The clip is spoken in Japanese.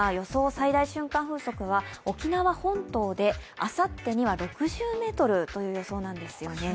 最大瞬間風速は沖縄本島であさってには６０メートルという予想なんです。